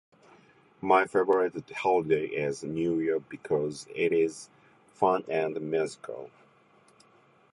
My favorite holiday is New Year because it is fun and magical.